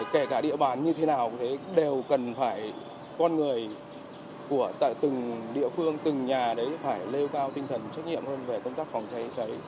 kể cả địa bàn như thế nào cũng thế đều cần phải con người của từng địa phương từng nhà đấy phải lêu cao tinh thần trách nhiệm hơn về công tác phòng cháy cháy